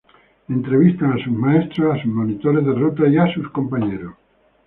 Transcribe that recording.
Entrevistan a sus maestros, a sus monitores de rutas y a sus compañeros.